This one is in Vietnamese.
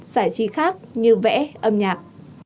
giải trí khác như vẽ âm nhạc